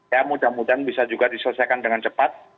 ya mudah mudahan bisa juga diselesaikan dengan cepat